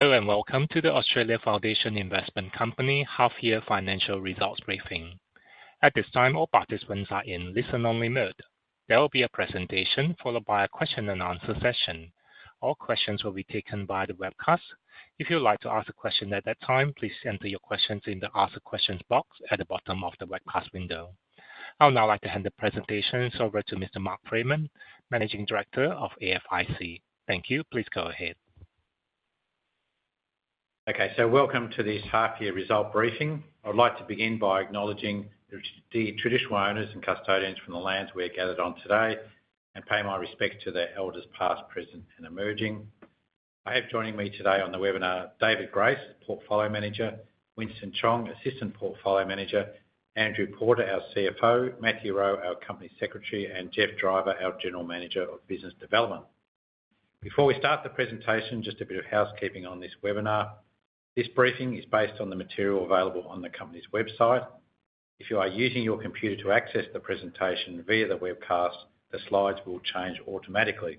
Hello and welcome to the Australian Foundation Investment Company Half-Year Financial Results Briefing. At this time, all participants are in listen-only mode. There will be a presentation followed by a question-and-answer session. All questions will be taken by the webcast. If you'd like to ask a question at that time, please enter your questions in the Ask Questions box at the bottom of the webcast window. I would now like to hand the presentations over to Mr. Mark Freeman, Managing Director of AFIC. Thank you. Please go ahead. Okay, so welcome to this half-year result briefing. I would like to begin by acknowledging the traditional owners and custodians from the lands we are gathered on today and pay my respect to their elders past, present, and emerging. I have joining me today on the webinar David Grace, Portfolio Manager, Winston Chong, Assistant Portfolio Manager, Andrew Porter, our CFO, Matthew Rowe, our Company Secretary, and Geoff Driver, our General Manager of Business Development. Before we start the presentation, just a bit of housekeeping on this webinar. This briefing is based on the material available on the company's website. If you are using your computer to access the presentation via the webcast, the slides will change automatically.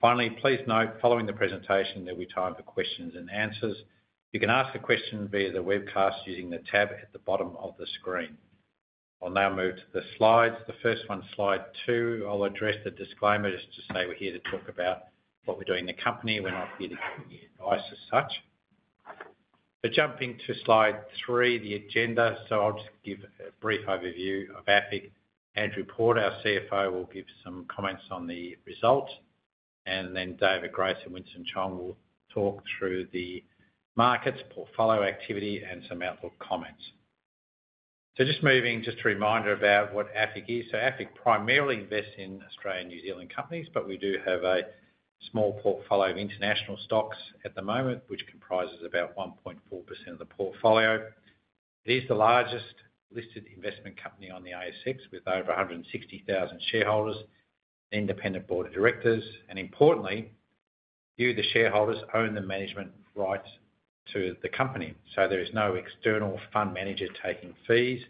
Finally, please note following the presentation there will be time for questions and answers. You can ask a question via the webcast using the tab at the bottom of the screen. I'll now move to the slides. The first one, slide two, I'll address the disclaimer just to say we're here to talk about what we're doing in the company. We're not here to give advice as such. So jumping to slide three, the agenda. So I'll just give a brief overview of AFIC. Andrew Porter, our CFO, will give some comments on the results, and then David Grace and Winston Chong will talk through the markets, portfolio activity, and some outlook comments. So just moving, just a reminder about what AFIC is. So AFIC primarily invests in Australian and New Zealand companies, but we do have a small portfolio of international stocks at the moment, which comprises about 1.4% of the portfolio. It is the largest listed investment company on the ASX with over 160,000 shareholders, independent board of directors, and importantly, you, the shareholders own the management rights to the company. So there is no external fund manager taking fees.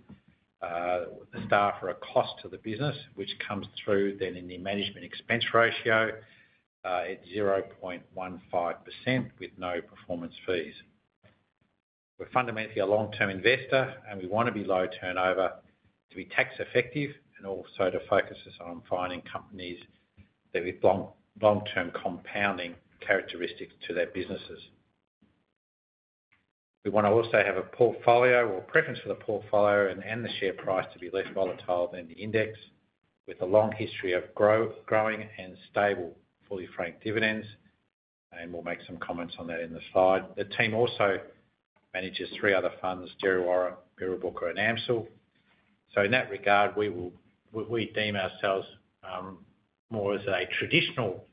The staff are a cost to the business, which comes through then in the management expense ratio at 0.15% with no performance fees. We're fundamentally a long-term investor, and we want to be low turnover, to be tax effective, and also to focus on finding companies that have long-term compounding characteristics to their businesses. We want to also have a preference for the portfolio and the share price to be less volatile than the index, with a long history of growing and stable fully franked dividends, and we'll make some comments on that in the slide. The team also manages three other funds: Djerriwarrh Investments, Mirrabooka Investments, and AMCIL Limited. So in that regard, we deem ourselves more as a traditional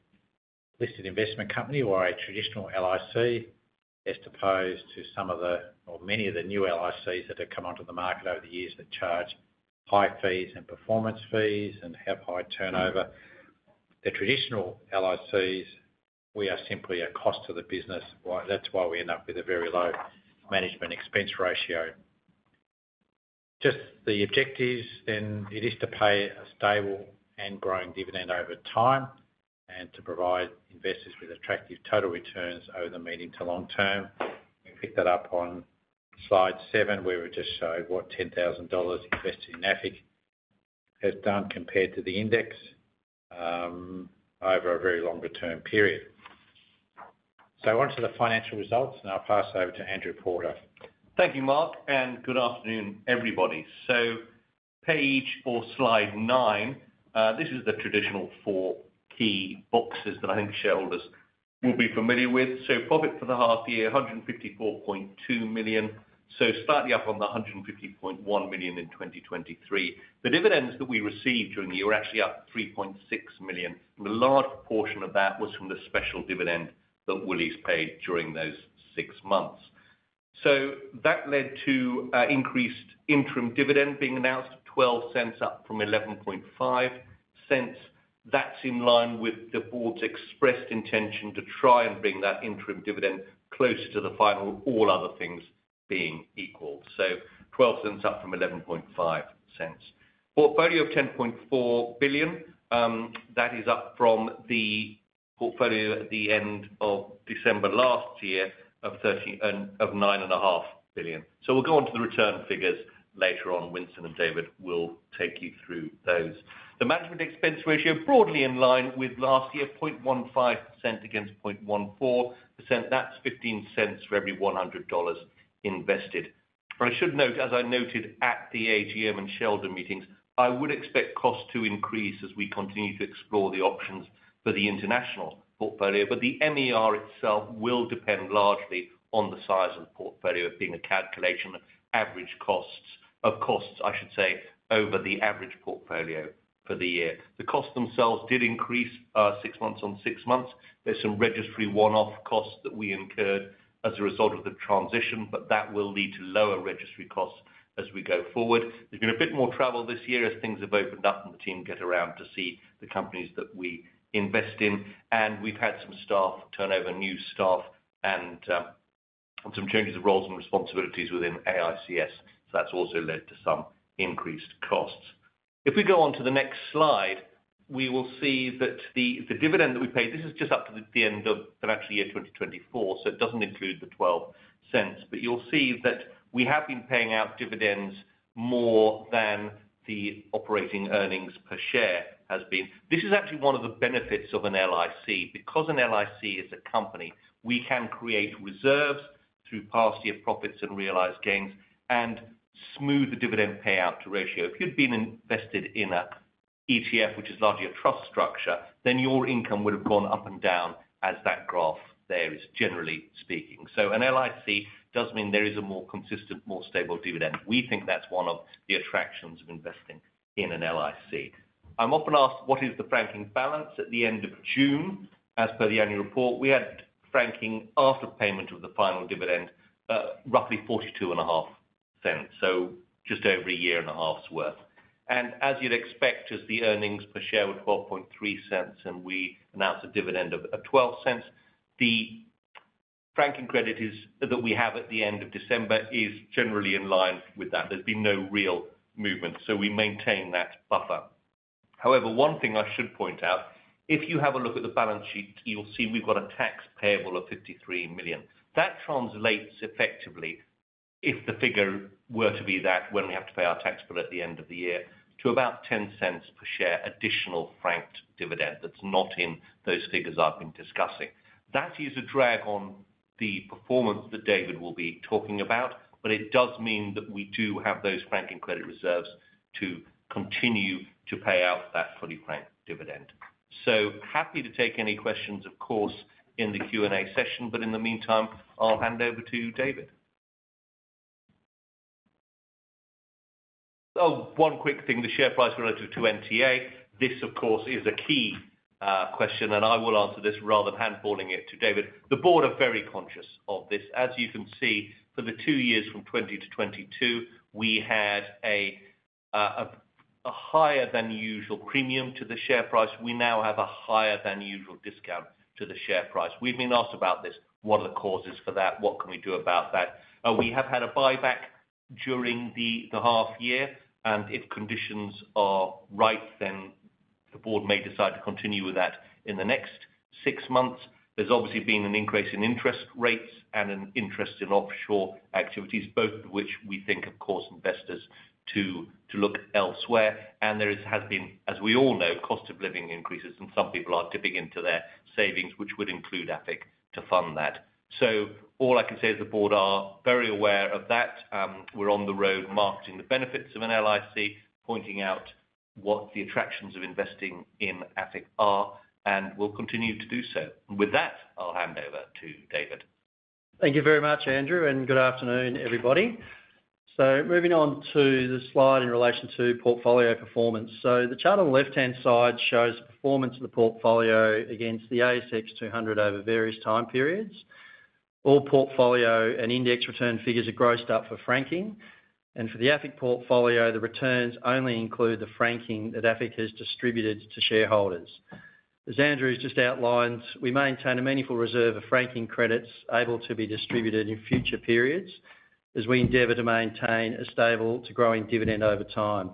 listed investment company or a traditional LIC as opposed to some of the or many of the new LICs that have come onto the market over the years that charge high fees and performance fees and have high turnover. The traditional LICs, we are simply a cost to the business. That's why we end up with a very low management expense ratio. Just the objectives then, it is to pay a stable and growing dividend over time and to provide investors with attractive total returns over the medium to long term. We picked that up on slide seven, where we just showed what 10,000 dollars invested in AFIC has done compared to the index over a very longer-term period. So onto the financial results, and I'll pass over to Andrew Porter. Thank you, Mark, and good afternoon, everybody. So page or slide nine, this is the traditional four key boxes that I think shareholders will be familiar with. So profit for the half year, 154.2 million. So slightly up on the 150.1 million in 2023. The dividends that we received during the year were actually up 3.6 million. And a large portion of that was from the special dividend that Woolies paid during those six months. So that led to increased interim dividend being announced, 0.12 up from 0.115. That's in line with the board's expressed intention to try and bring that interim dividend closer to the final, all other things being equal. So 0.12 up from 0.115. Portfolio of 10.4 billion. That is up from the portfolio at the end of December last year of 9.5 billion. So we'll go on to the return figures later on. Winston and David will take you through those. The management expense ratio, broadly in line with last year, 0.15% against 0.14%. That's 15 cents for every 100 dollars invested. I should note, as I noted at the AGM and shareholder meetings, I would expect costs to increase as we continue to explore the options for the international portfolio, but the MER itself will depend largely on the size of the portfolio being a calculation of average costs, of costs, I should say, over the average portfolio for the year. The costs themselves did increase six months on six months. There's some registry one-off costs that we incurred as a result of the transition, but that will lead to lower registry costs as we go forward. There's been a bit more travel this year as things have opened up and the team get around to see the companies that we invest in. We've had some staff turnover, new staff, and some changes of roles and responsibilities within AFIC. That's also led to some increased costs. If we go on to the next slide, we will see that the dividend that we paid, this is just up to the end of financial year 2024, so it doesn't include the 0.12, but you'll see that we have been paying out dividends more than the operating earnings per share has been. This is actually one of the benefits of an LIC. Because an LIC is a company, we can create reserves through passive profits and realized gains and smooth the dividend payout ratio. If you'd been invested in an ETF, which is largely a trust structure, then your income would have gone up and down as that graph there is, generally speaking, so an LIC does mean there is a more consistent, more stable dividend. We think that's one of the attractions of investing in an LIC. I'm often asked, what is the franking balance at the end of June? As per the annual report, we had franking after payment of the final dividend, roughly 0.425, so just over a year and a half's worth, and as you'd expect, as the earnings per share were 0.123 and we announced a dividend of 0.12, the franking credit that we have at the end of December is generally in line with that. There's been no real movement, so we maintain that buffer. However, one thing I should point out, if you have a look at the balance sheet, you'll see we've got a tax payable of 53 million. That translates effectively, if the figure were to be that, when we have to pay our tax bill at the end of the year, to about 0.10 per share additional franked dividend. That's not in those figures I've been discussing. That is a drag on the performance that David will be talking about, but it does mean that we do have those franking credit reserves to continue to pay out that fully franked dividend. So happy to take any questions, of course, in the Q&A session, but in the meantime, I'll hand over to David. Oh, one quick thing, the share price relative to NTA, this of course is a key question, and I will answer this rather than handballing it to David. The board are very conscious of this. As you can see, for the two years from 2020 to 2022, we had a higher than usual premium to the share price. We now have a higher than usual discount to the share price. We've been asked about this. What are the causes for that? What can we do about that? We have had a buyback during the half year, and if conditions are right, then the board may decide to continue with that in the next six months. There's obviously been an increase in interest rates and an interest in offshore activities, both of which we think have caused investors to look elsewhere, and there has been, as we all know, cost of living increases, and some people are dipping into their savings, which would include AFIC to fund that. So all I can say is the board are very aware of that. We're on the road marketing the benefits of an LIC, pointing out what the attractions of investing in AFIC are, and we'll continue to do so. With that, I'll hand over to David. Thank you very much, Andrew, and good afternoon, everybody. So moving on to the slide in relation to portfolio performance. So the chart on the left-hand side shows the performance of the portfolio against the ASX 200 over various time periods. All portfolio and index return figures are grossed up for franking. And for the AFIC portfolio, the returns only include the franking that AFIC has distributed to shareholders. As Andrew has just outlined, we maintain a meaningful reserve of franking credits able to be distributed in future periods as we endeavor to maintain a stable to growing dividend over time.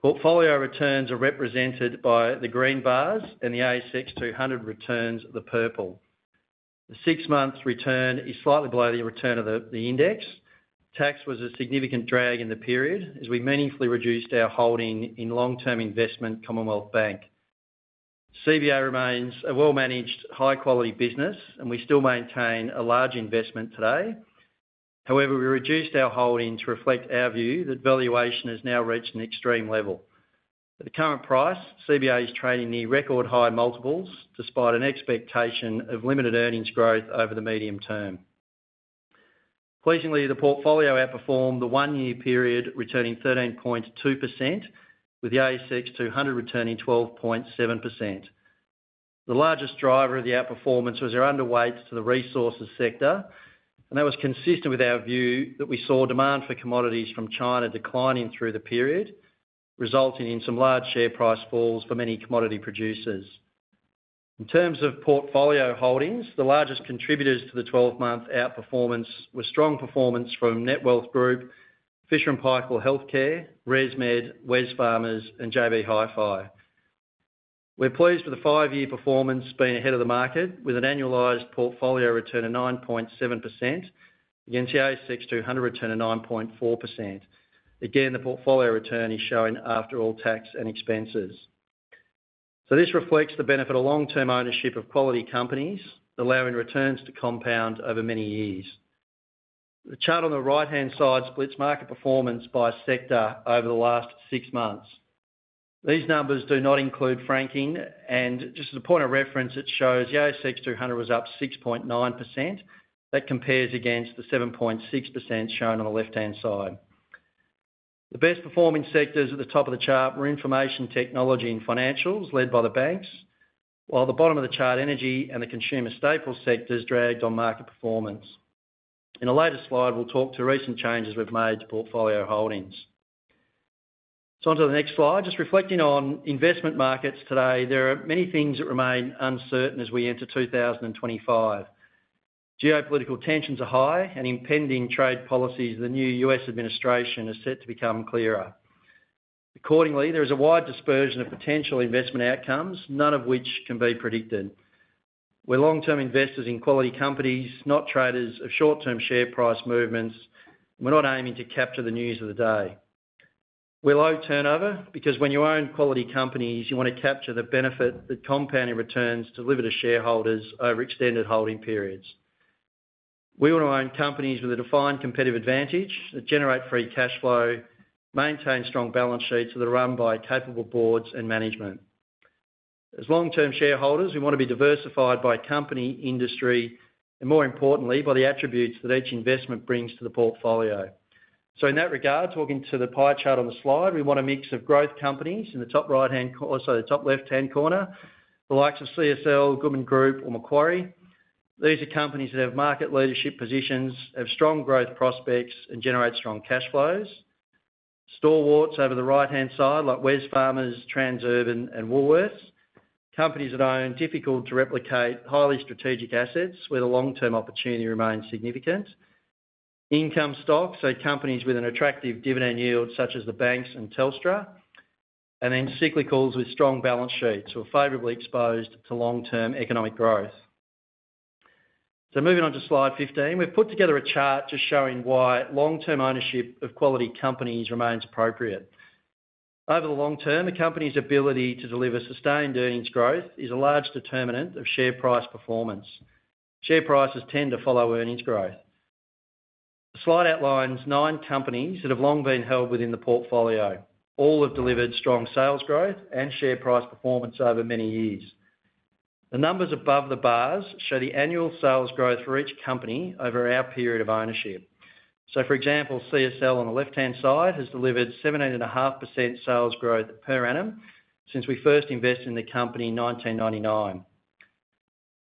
Portfolio returns are represented by the green bars, and the ASX 200 returns the purple. The six-month return is slightly below the return of the index. Tax was a significant drag in the period as we meaningfully reduced our holding in long-term investment Commonwealth Bank. CBA remains a well-managed, high-quality business, and we still maintain a large investment today. However, we reduced our holding to reflect our view that valuation has now reached an extreme level. At the current price, CBA is trading near record high multiples, despite an expectation of limited earnings growth over the medium term. Pleasingly, the portfolio outperformed the one-year period, returning 13.2%, with the ASX 200 returning 12.7%. The largest driver of the outperformance was our underweight to the resources sector, and that was consistent with our view that we saw demand for commodities from China declining through the period, resulting in some large share price falls for many commodity producers. In terms of portfolio holdings, the largest contributors to the 12-month outperformance were strong performance from Netwealth Group, Fisher & Paykel Healthcare, ResMed, Wesfarmers, and JB Hi-Fi. We're pleased with the five-year performance being ahead of the market, with an annualized portfolio return of 9.7% against the ASX 200 return of 9.4%. Again, the portfolio return is showing after all tax and expenses. So this reflects the benefit of long-term ownership of quality companies, allowing returns to compound over many years. The chart on the right-hand side splits market performance by sector over the last six months. These numbers do not include franking. And just as a point of reference, it shows the ASX 200 was up 6.9%. That compares against the 7.6% shown on the left-hand side. The best-performing sectors at the top of the chart were information technology and financials, led by the banks, while the bottom of the chart, energy and the consumer staples sectors, dragged on market performance. In a later slide, we'll talk to recent changes we've made to portfolio holdings. So onto the next slide. Just reflecting on investment markets today, there are many things that remain uncertain as we enter 2025. Geopolitical tensions are high, and impending trade policies, the new U.S. administration is set to become clearer. Accordingly, there is a wide dispersion of potential investment outcomes, none of which can be predicted. We're long-term investors in quality companies, not traders of short-term share price movements. We're not aiming to capture the news of the day. We're low turnover because when you own quality companies, you want to capture the benefit that compounding returns deliver to shareholders over extended holding periods. We want to own companies with a defined competitive advantage that generate free cash flow, maintain strong balance sheets that are run by capable boards and management. As long-term shareholders, we want to be diversified by company, industry, and more importantly, by the attributes that each investment brings to the portfolio, so in that regard, talking to the pie chart on the slide, we want a mix of growth companies in the top right-hand corner, also the top left-hand corner, the likes of CSL, Goodman Group, or Macquarie. These are companies that have market leadership positions, have strong growth prospects, and generate strong cash flows. Stalwarts over the right-hand side, like Wesfarmers, Transurban, and Woolworths. Companies that own difficult to replicate, highly strategic assets where the long-term opportunity remains significant. Income stocks, so companies with an attractive dividend yield, such as the banks and Telstra, and then cyclicals with strong balance sheets who are favorably exposed to long-term economic growth. So moving on to slide 15, we've put together a chart just showing why long-term ownership of quality companies remains appropriate. Over the long term, a company's ability to deliver sustained earnings growth is a large determinant of share price performance. Share prices tend to follow earnings growth. The slide outlines nine companies that have long been held within the portfolio. All have delivered strong sales growth and share price performance over many years. The numbers above the bars show the annual sales growth for each company over our period of ownership. So for example, CSL on the left-hand side has delivered 17.5% sales growth per annum since we first invested in the company in 1999.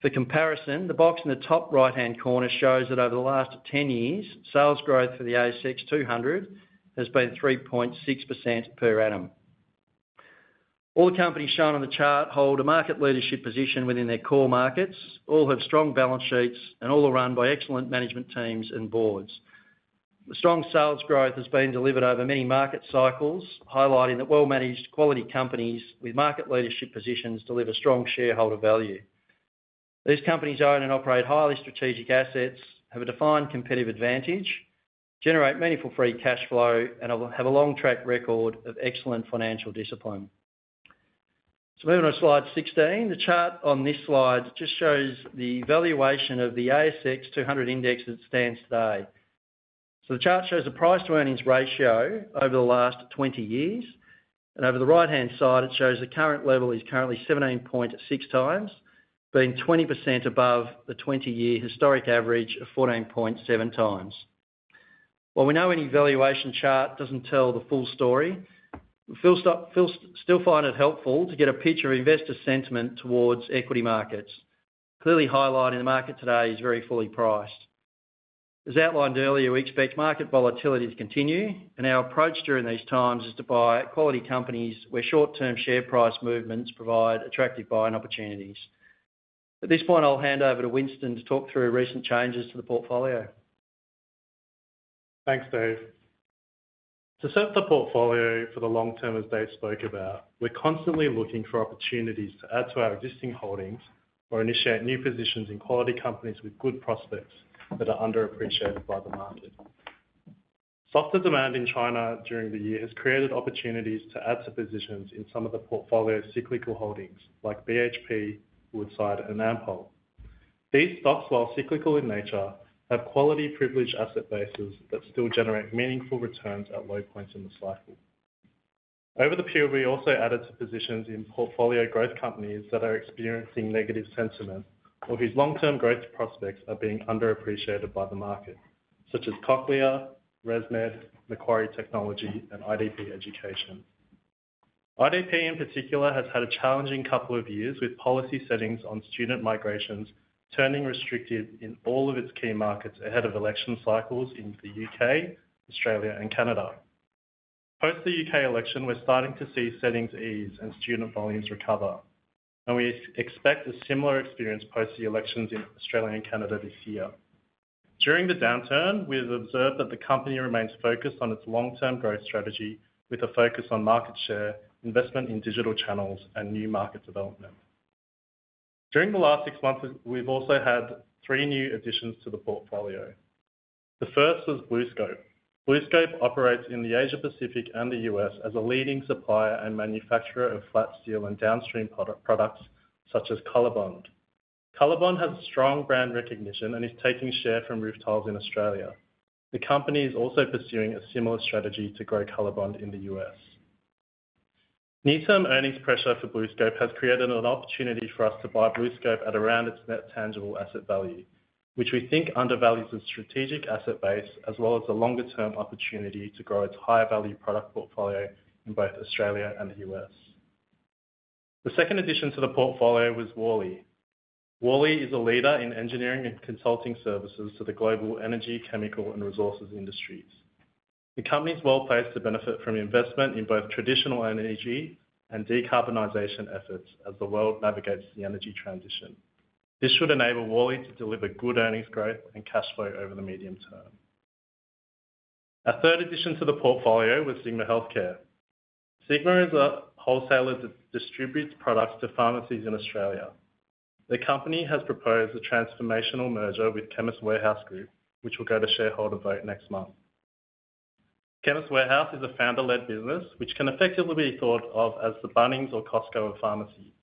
For comparison, the box in the top right-hand corner shows that over the last 10 years, sales growth for the ASX 200 has been 3.6% per annum. All the companies shown on the chart hold a market leadership position within their core markets. All have strong balance sheets, and all are run by excellent management teams and boards. The strong sales growth has been delivered over many market cycles, highlighting that well-managed quality companies with market leadership positions deliver strong shareholder value. These companies own and operate highly strategic assets, have a defined competitive advantage, generate meaningful free cash flow, and have a long-track record of excellent financial discipline. Moving on to slide 16, the chart on this slide just shows the valuation of the ASX 200 index as it stands today. The chart shows the price-to-earnings ratio over the last 20 years. Over the right-hand side, it shows the current level is currently 17.6 times, being 20% above the 20-year historic average of 14.7 times. While we know any valuation chart doesn't tell the full story, we still find it helpful to get a picture of investor sentiment towards equity markets, clearly highlighting the market today is very fully priced. As outlined earlier, we expect market volatility to continue, and our approach during these times is to buy quality companies where short-term share price movements provide attractive buying opportunities. At this point, I'll hand over to Winston to talk through recent changes to the portfolio. Thanks, Dave. To set up the portfolio for the long term as Dave spoke about, we're constantly looking for opportunities to add to our existing holdings or initiate new positions in quality companies with good prospects that are underappreciated by the market. Softer demand in China during the year has created opportunities to add to positions in some of the portfolio's cyclical holdings, like BHP, Woodside, and Ampol. These stocks, while cyclical in nature, have quality privilege asset bases that still generate meaningful returns at low points in the cycle. Over the period, we also added to positions in portfolio growth companies that are experiencing negative sentiment or whose long-term growth prospects are being underappreciated by the market, such as Cochlear, ResMed, Macquarie Technology, and IDP Education. IDP, in particular, has had a challenging couple of years with policy settings on student migrations turning restricted in all of its key markets ahead of election cycles in the U.K., Australia, and Canada. Post the U.K. election, we're starting to see settings ease and student volumes recover, and we expect a similar experience post the elections in Australia and Canada this year. During the downturn, we have observed that the company remains focused on its long-term growth strategy with a focus on market share, investment in digital channels, and new market development. During the last six months, we've also had three new additions to the portfolio. The first was BlueScope. BlueScope operates in the Asia-Pacific and the U.S. as a leading supplier and manufacturer of flat steel and downstream products such as Colorbond. Colorbond has a strong brand recognition and is taking share from rooftops in Australia. The company is also pursuing a similar strategy to grow Colorbond in the U.S. Near-term earnings pressure for BlueScope has created an opportunity for us to buy BlueScope at around its net tangible asset value, which we think undervalues its strategic asset base as well as a longer-term opportunity to grow its higher-value product portfolio in both Australia and the U.S. The second addition to the portfolio was Worley. Worley is a leader in engineering and consulting services to the global energy, chemical, and resources industries. The company is well placed to benefit from investment in both traditional energy and decarbonization efforts as the world navigates the energy transition. This should enable Worley to deliver good earnings growth and cash flow over the medium term. Our third addition to the portfolio was Sigma Healthcare. Sigma is a wholesaler that distributes products to pharmacies in Australia. The company has proposed a transformational merger with Chemist Warehouse Group, which will go to shareholder vote next month. Chemist Warehouse is a founder-led business, which can effectively be thought of as the Bunnings or Costco of pharmacy.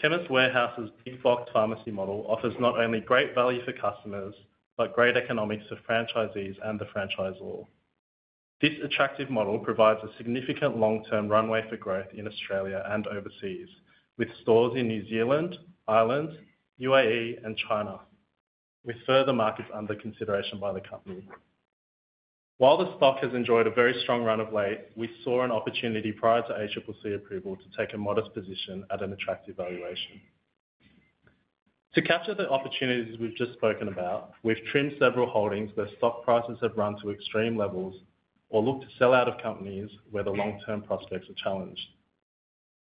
Chemist Warehouse's big-box pharmacy model offers not only great value for customers but great economics for franchisees and the franchisor. This attractive model provides a significant long-term runway for growth in Australia and overseas, with stores in New Zealand, Ireland, UAE, and China, with further markets under consideration by the company. While the stock has enjoyed a very strong run of late, we saw an opportunity prior to ACCC approval to take a modest position at an attractive valuation. To capture the opportunities we've just spoken about, we've trimmed several holdings where stock prices have run to extreme levels or looked to sell out of companies where the long-term prospects are challenged.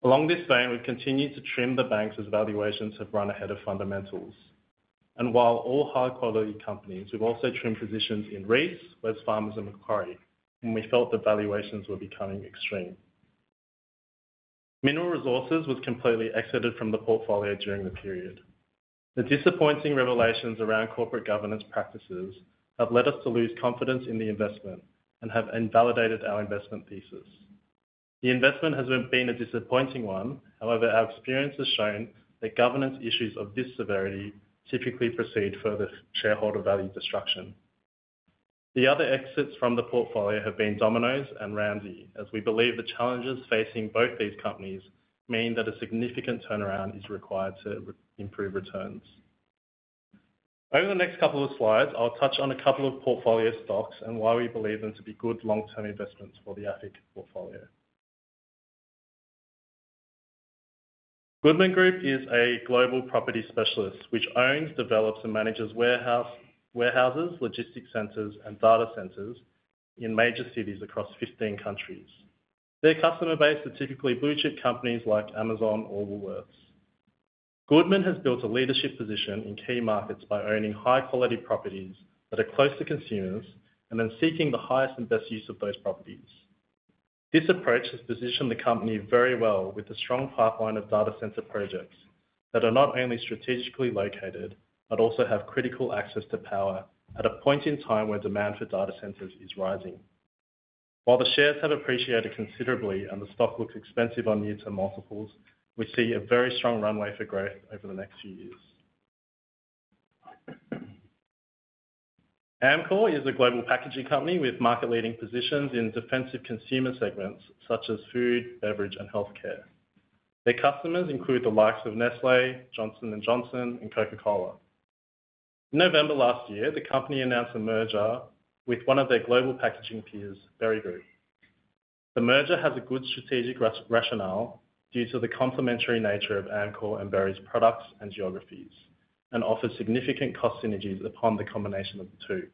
Along this vein, we've continued to trim the banks as valuations have run ahead of fundamentals, and while all high-quality companies, we've also trimmed positions in Reece, Wesfarmers, and Macquarie, when we felt the valuations were becoming extreme. Mineral Resources was completely exited from the portfolio during the period. The disappointing revelations around corporate governance practices have led us to lose confidence in the investment and have invalidated our investment thesis. The investment has been a disappointing one. However, our experience has shown that governance issues of this severity typically precede further shareholder value destruction. The other exits from the portfolio have been Domino's and Ramsay, as we believe the challenges facing both these companies mean that a significant turnaround is required to improve returns. Over the next couple of slides, I'll touch on a couple of portfolio stocks and why we believe them to be good long-term investments for the AFIC portfolio. Goodman Group is a global property specialist which owns, develops, and manages warehouses, logistics centers, and data centers in major cities across 15 countries. Their customer base are typically blue-chip companies like Amazon or Woolworths. Goodman has built a leadership position in key markets by owning high-quality properties that are close to consumers and then seeking the highest and best use of those properties. This approach has positioned the company very well with a strong pipeline of data center projects that are not only strategically located but also have critical access to power at a point in time where demand for data centers is rising. While the shares have appreciated considerably and the stock looks expensive on near-term multiples, we see a very strong runway for growth over the next few years. Amcor is a global packaging company with market-leading positions in defensive consumer segments such as food, beverage, and healthcare. Their customers include the likes of Nestlé, Johnson & Johnson, and Coca-Cola. In November last year, the company announced a merger with one of their global packaging peers, Berry Group. The merger has a good strategic rationale due to the complementary nature of Amcor and Berry's products and geographies and offers significant cost synergies upon the combination of the two.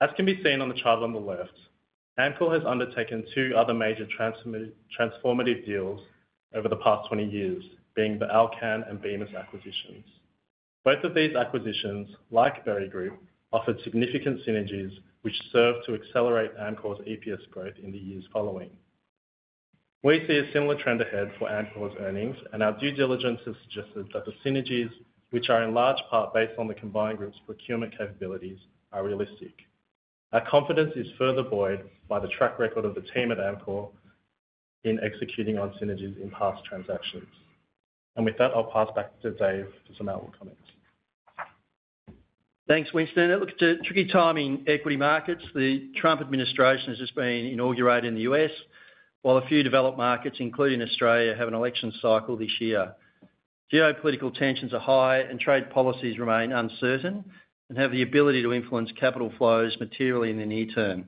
As can be seen on the chart on the left, Amcor has undertaken two other major transformative deals over the past 20 years, being the Alcan and Bemis acquisitions. Both of these acquisitions, like Berry Group, offered significant synergies which served to accelerate Amcor's EPS growth in the years following. We see a similar trend ahead for Amcor's earnings, and our due diligence has suggested that the synergies, which are in large part based on the Combined Group's procurement capabilities, are realistic. Our confidence is further buoyed by the track record of the team at Amcor in executing on synergies in past transactions. And with that, I'll pass back to Dave for some outlook comments. Thanks, Winston. It looks too tricky to time equity markets. The Trump administration has just been inaugurated in the U.S., while a few developed markets, including Australia, have an election cycle this year. Geopolitical tensions are high, and trade policies remain uncertain and have the ability to influence capital flows materially in the near term.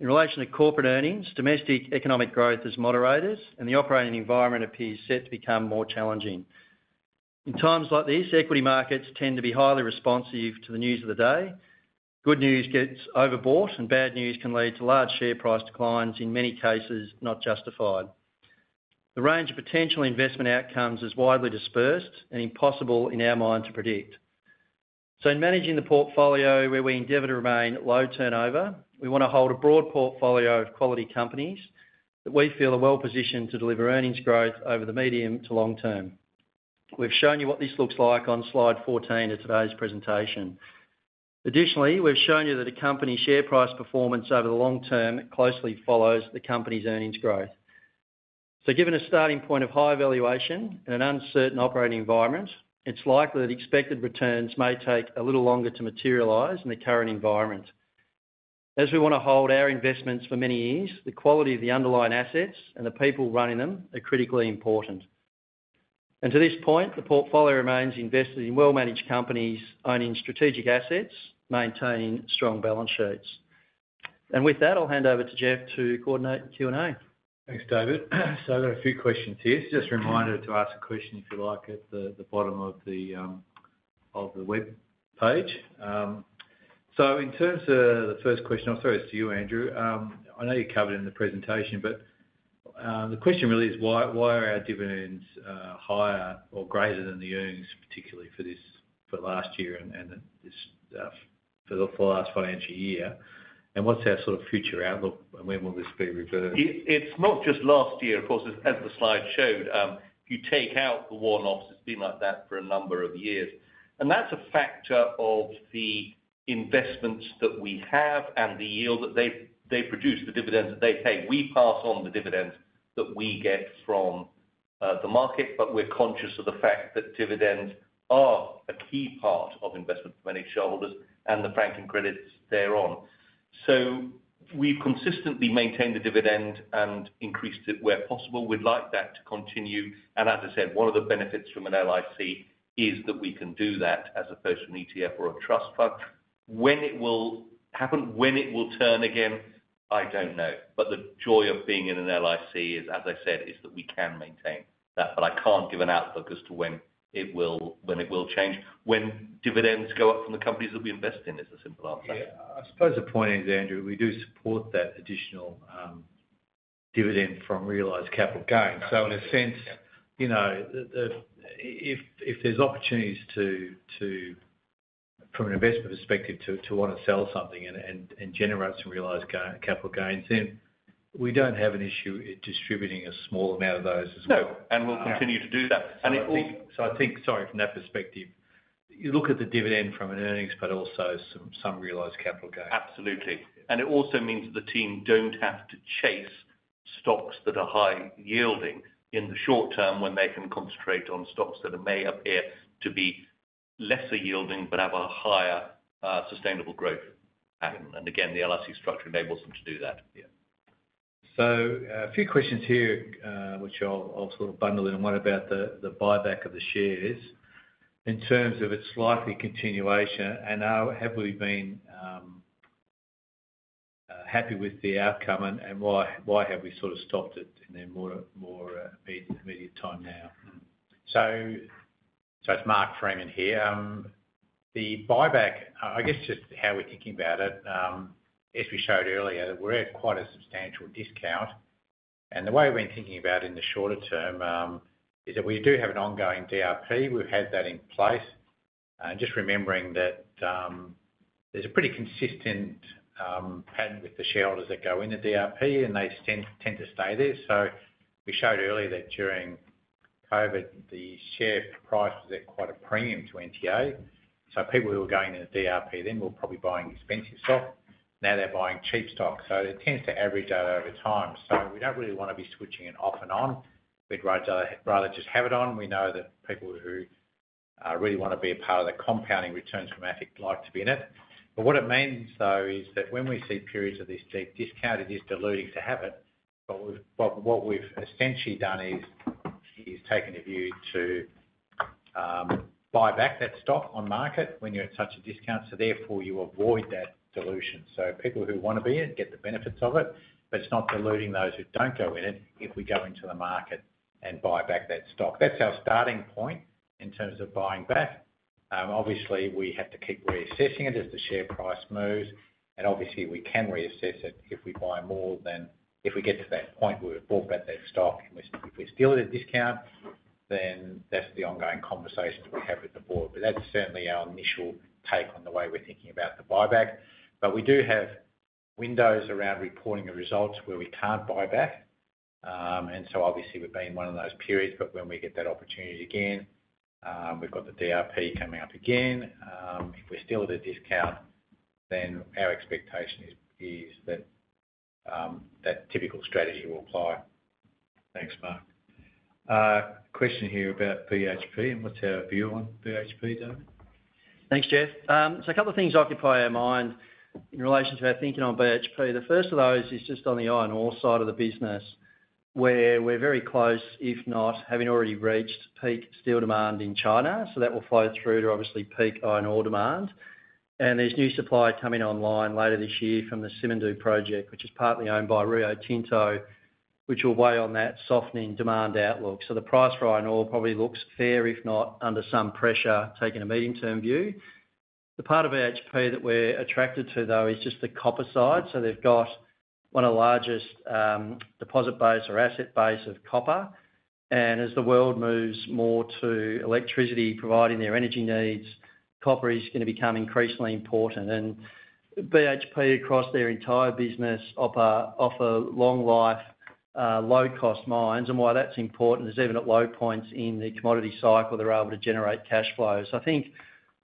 In relation to corporate earnings, domestic economic growth is moderated, and the operating environment appears set to become more challenging. In times like these, equity markets tend to be highly responsive to the news of the day. Good news gets overbought, and bad news can lead to large share price declines in many cases not justified. The range of potential investment outcomes is widely dispersed and impossible in our mind to predict. In managing the portfolio where we endeavor to remain low turnover, we want to hold a broad portfolio of quality companies that we feel are well positioned to deliver earnings growth over the medium to long term. We've shown you what this looks like on slide 14 of today's presentation. Additionally, we've shown you that a company's share price performance over the long term closely follows the company's earnings growth. So given a starting point of high valuation and an uncertain operating environment, it's likely that expected returns may take a little longer to materialize in the current environment. As we want to hold our investments for many years, the quality of the underlying assets and the people running them are critically important. And to this point, the portfolio remains invested in well-managed companies owning strategic assets, maintaining strong balance sheets. With that, I'll hand over to Geoff to coordinate Q&A. Thanks, David. So I've got a few questions here. So just a reminder to ask a question if you like at the bottom of the web page. So in terms of the first question, I'll throw this to you, Andrew. I know you covered it in the presentation, but the question really is, why are our dividends higher or greater than the earnings, particularly for last year and for the last financial year? And what's our sort of future outlook, and when will this be reversed? It's not just last year, of course, as the slide showed. If you take out the warm-ups, it's been like that for a number of years. And that's a factor of the investments that we have and the yield that they produce, the dividends that they pay. We pass on the dividends that we get from the market, but we're conscious of the fact that dividends are a key part of investment for many shareholders and the franking credits thereon. So we've consistently maintained the dividend and increased it where possible. We'd like that to continue. And as I said, one of the benefits from an LIC is that we can do that as opposed to an ETF or a trust fund. When it will happen, when it will turn again, I don't know. But the joy of being in an LIC is, as I said, that we can maintain that. But I can't give an outlook as to when it will change. When dividends go up from the companies that we invest in is the simple answer. Yeah. I suppose the point is, Andrew, we do support that additional dividend from realized capital gains. So in a sense, if there's opportunities from an investment perspective to want to sell something and generate some realized capital gains, then we don't have an issue distributing a small amount of those as well. And we'll continue to do that. So I think, sorry, from that perspective, you look at the dividend from an earnings, but also some realized capital gain. Absolutely. It also means that the team don't have to chase stocks that are high-yielding in the short term when they can concentrate on stocks that may appear to be lesser-yielding but have a higher sustainable growth pattern. Again, the LIC structure enables them to do that. A few questions here, which I'll sort of bundle in. What about the buyback of the shares in terms of its likely continuation? And have we been happy with the outcome, and why have we sort of stopped it in the more immediate time now? So it's Mark Freeman here. The buyback, I guess, just how we're thinking about it, as we showed earlier, we're at quite a substantial discount. And the way we've been thinking about it in the shorter term is that we do have an ongoing DRP. We've had that in place. And just remembering that there's a pretty consistent pattern with the shareholders that go in the DRP, and they tend to stay there. So we showed earlier that during COVID, the share price was at quite a premium to NTA. So people who were going into DRP then were probably buying expensive stock. Now they're buying cheap stock. So it tends to average out over time. So we don't really want to be switching it off and on. We'd rather just have it on. We know that people who really want to be a part of the compounding returns from AFIC like to be in it. But what it means, though, is that when we see periods of this deep discount, it is diluting to have it. But what we've essentially done is taken a view to buy back that stock on market when you're at such a discount. So therefore, you avoid that dilution. So people who want to be in it get the benefits of it, but it's not diluting those who don't go in it if we go into the market and buy back that stock. That's our starting point in terms of buying back. Obviously, we have to keep reassessing it as the share price moves. And obviously, we can reassess it if we buy more than if we get to that point where we've bought back that stock. If we're still at a discount, then that's the ongoing conversation we have with the board. But that's certainly our initial take on the way we're thinking about the buyback. But we do have windows around reporting the results where we can't buy back. And so obviously, we've been in one of those periods. But when we get that opportunity again, we've got the DRP coming up again. If we're still at a discount, then our expectation is that that typical strategy will apply. Thanks, Mark. Question here about BHP. And what's our view on BHP, David? Thanks, Jeff. So a couple of things occupy our mind in relation to our thinking on BHP. The first of those is just on the iron ore side of the business where we're very close, if not having already reached peak steel demand in China. So that will follow through to obviously peak iron ore demand. And there's new supply coming online later this year from the Simandou project, which is partly owned by Rio Tinto, which will weigh on that softening demand outlook. So the price for iron ore probably looks fair, if not under some pressure, taking a medium-term view. The part of BHP that we're attracted to, though, is just the copper side. So they've got one of the largest deposit base or asset base of copper. And as the world moves more to electricity providing their energy needs, copper is going to become increasingly important. BHP across their entire business offer long-life, low-cost mines. Why that's important is even at low points in the commodity cycle, they're able to generate cash flows. I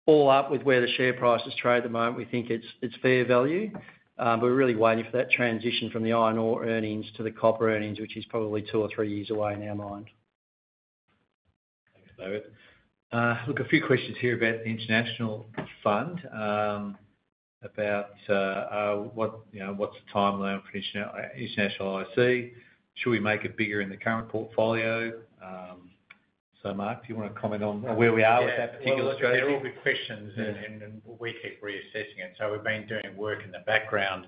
think all up with where the share price is traded at the moment, we think it's fair value. But we're really waiting for that transition from the iron ore earnings to the copper earnings, which is probably two or three years away in our mind. Thanks, David. Look, a few questions here about the international fund, about what's the timeline for international LIC. Should we make it bigger in the current portfolio? So Mark, do you want to comment on where we are with that particular strategy? There will be questions, and we keep reassessing it. So we've been doing work in the background.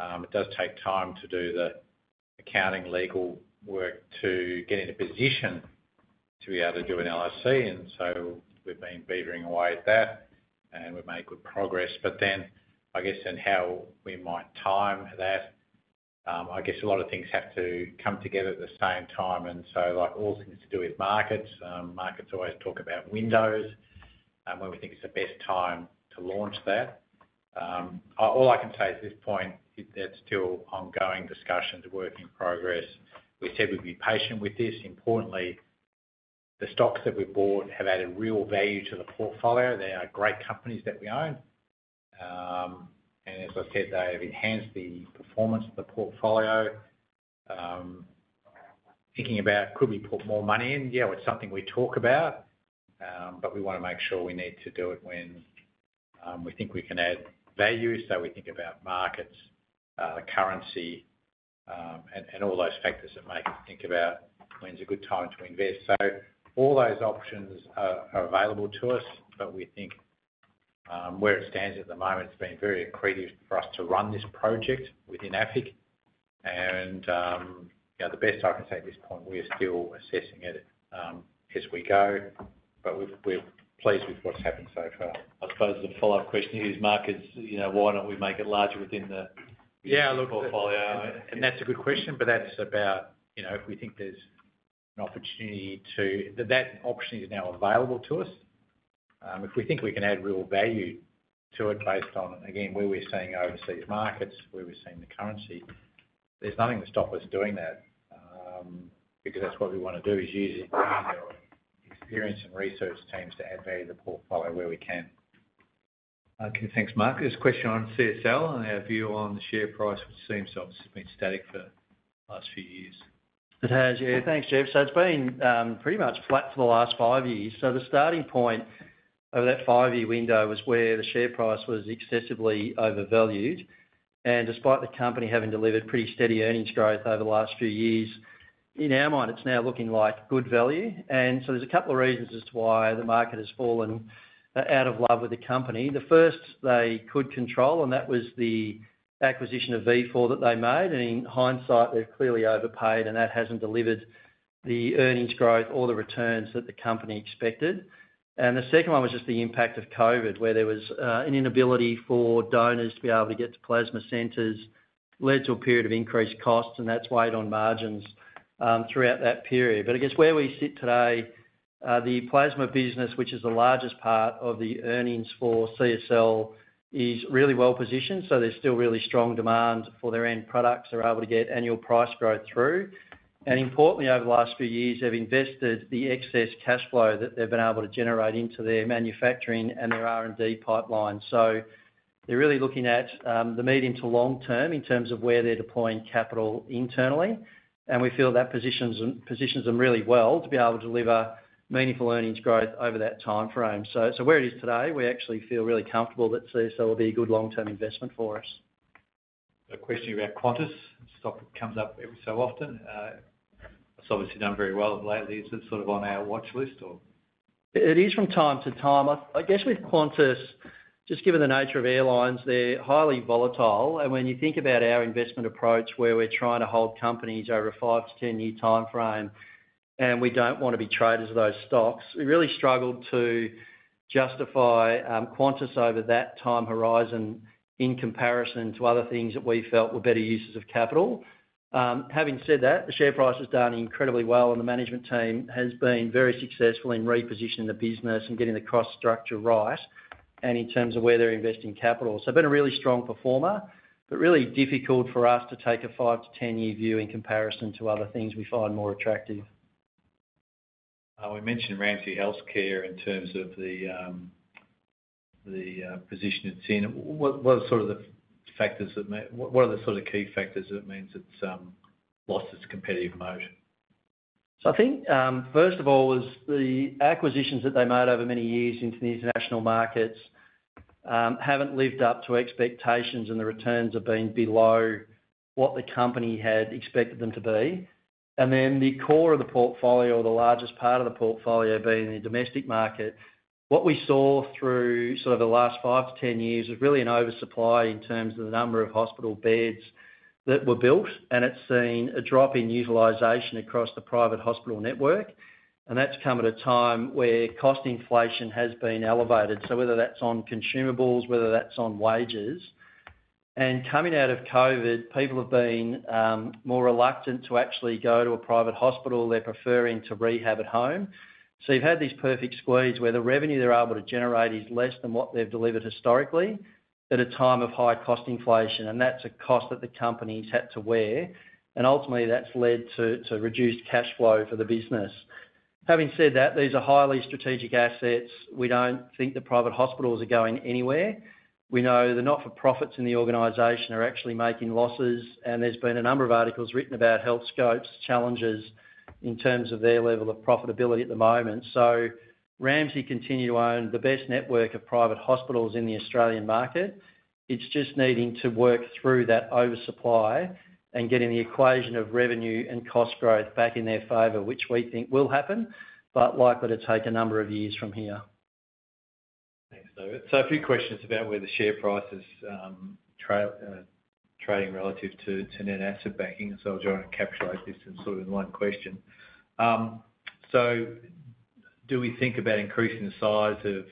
It does take time to do the accounting, legal work to get in a position to be able to do an LIC. And so we've been beavering away at that, and we've made good progress. But then I guess then how we might time that, I guess a lot of things have to come together at the same time. And so all things to do with markets, markets always talk about windows and when we think it's the best time to launch that. All I can say at this point, that's still ongoing discussions, work in progress. We said we'd be patient with this. Importantly, the stocks that we bought have added real value to the portfolio. They are great companies that we own. As I said, they have enhanced the performance of the portfolio. Thinking about could we put more money in? Yeah, it's something we talk about, but we want to make sure we need to do it when we think we can add value. We think about markets, currency, and all those factors that make us think about when's a good time to invest. All those options are available to us, but we think where it stands at the moment, it's been very accretive for us to run this project within AFIC. The best I can say at this point, we're still assessing it as we go, but we're pleased with what's happened so far. I suppose the follow-up question here is, Mark, why don't we make it larger within the portfolio? Yeah, look, and that's a good question, but that's about if we think there's an opportunity. That option is now available to us. If we think we can add real value to it based on, again, where we're staying overseas markets, where we're seeing the currency, there's nothing to stop us doing that because that's what we want to do is use our experience and research teams to add value to the portfolio where we can. Okay, thanks, Mark. There's a question on CSL and our view on the share price, which seems to have been static for the last few years. It has, yeah. Thanks, Geoff. So it's been pretty much flat for the last five years. So the starting point over that five-year window was where the share price was excessively overvalued. And despite the company having delivered pretty steady earnings growth over the last few years, in our mind, it's now looking like good value. And so there's a couple of reasons as to why the market has fallen out of love with the company. The first they could control, and that was the acquisition of Vifor that they made. And in hindsight, they've clearly overpaid, and that hasn't delivered the earnings growth or the returns that the company expected. The second one was just the impact of COVID, where there was an inability for donors to be able to get to plasma centers, led to a period of increased costs, and that's weighed on margins throughout that period. I guess where we sit today, the plasma business, which is the largest part of the earnings for CSL, is really well positioned. There's still really strong demand for their end products. They're able to get annual price growth through. And importantly, over the last few years, they've invested the excess cash flow that they've been able to generate into their manufacturing and their R&D pipeline. They're really looking at the medium to long term in terms of where they're deploying capital internally. And we feel that positions them really well to be able to deliver meaningful earnings growth over that time frame. So where it is today, we actually feel really comfortable that CSL will be a good long-term investment for us. A question about Qantas stock that comes up every so often. It's obviously done very well lately. Is it sort of on our watch list or? It is from time to time. I guess with Qantas, just given the nature of airlines, they're highly volatile. And when you think about our investment approach, where we're trying to hold companies over a five to 10-year time frame, and we don't want to be traders of those stocks, we really struggled to justify Qantas over that time horizon in comparison to other things that we felt were better uses of capital. Having said that, the share price has done incredibly well, and the management team has been very successful in repositioning the business and getting the cost structure right and in terms of where they're investing capital. So they've been a really strong performer, but really difficult for us to take a five to 10-year view in comparison to other things we find more attractive. We mentioned Ramsay Health Care in terms of the position it's in. What are sort of the key factors that means it's lost its competitive moat? I think, first of all, the acquisitions that they made over many years into the international markets haven't lived up to expectations, and the returns have been below what the company had expected them to be. And then the core of the portfolio, or the largest part of the portfolio, being the domestic market, what we saw through sort of the last five to 10 years was really an oversupply in terms of the number of hospital beds that were built. And it's seen a drop in utilization across the private hospital network. And that's come at a time where cost inflation has been elevated. So whether that's on consumables, whether that's on wages. And coming out of COVID, people have been more reluctant to actually go to a private hospital. They're preferring to rehab at home. So you've had these perfect squeezes where the revenue they're able to generate is less than what they've delivered historically at a time of high cost inflation. And that's a cost that the company's had to wear. And ultimately, that's led to reduced cash flow for the business. Having said that, these are highly strategic assets. We don't think the private hospitals are going anywhere. We know the not-for-profits in the organization are actually making losses. And there's been a number of articles written about Healthscope's challenges in terms of their level of profitability at the moment. So Ramsay continue to own the best network of private hospitals in the Australian market. It's just needing to work through that oversupply and getting the equation of revenue and cost growth back in their favor, which we think will happen, but likely to take a number of years from here. Thanks, David. So a few questions about where the share price is trading relative to net asset backing. So I'll try and encapsulate this in sort of one question. So do we think about increasing the size of